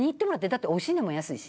だっておいしいねんもん安いし。